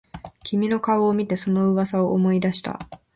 君の顔を見てその噂を思い出した